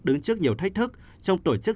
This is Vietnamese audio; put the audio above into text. đứng trước nhiều thách thức trong tổ chức